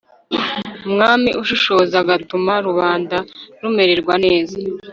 umwami ushishoza agatuma rubanda rumererwa neza